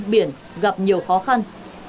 và biển gặp nhiều khó khăn